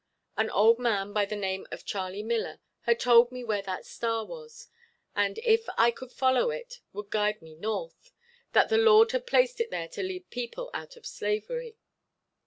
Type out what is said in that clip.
An old man by the name of Charley Miller had told me where that star was, and if "I could follow it it would guide me north, that the Lord had placed it there to lead people out of slavery."